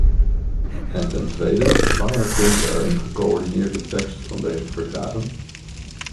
En ten tweede, wanneer komt er een gecoördineerde tekst van deze verdragen?